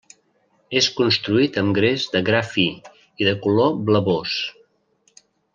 És construït amb gres de gra fi i de color blavós.